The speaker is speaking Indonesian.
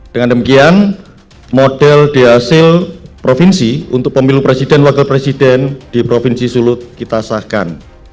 dengan demikian model di hasil provinsi untuk pemilu presiden wakil presiden di provinsi sulut kita sahkan